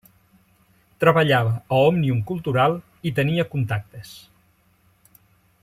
Treballava a Òmnium Cultural i tenia contactes.